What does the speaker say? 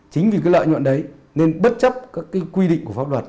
chính vì lợi nhuận đấy nên bất chấp quy định của pháp luật